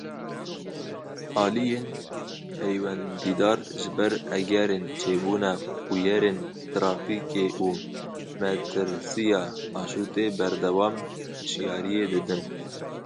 Aliyên peywendîdar ji ber egerên çêbûna bûyerên trafîkê û metirsiya aşûtê berdewam hişyariyê didin.